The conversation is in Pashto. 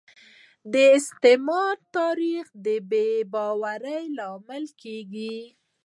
د استعمار تاریخ د بې باورۍ لامل کیږي